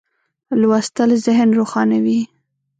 لوستل ذهن روښانوي.